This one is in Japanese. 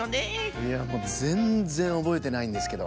いやもうぜんぜんおぼえてないんですけど。